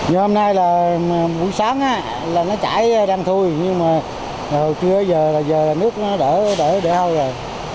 hôm nay là buổi sáng là nó chảy đang thui nhưng mà hồi trưa giờ là nước nó đỡ đỡ đỡ hôi rồi